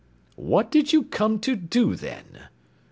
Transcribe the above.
"What did you come to do, then?"